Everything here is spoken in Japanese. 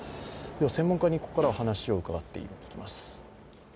専門家にここからは話を伺っていきます。